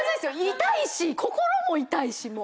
痛いし心も痛いしもう。